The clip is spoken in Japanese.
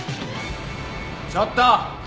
ちょっと！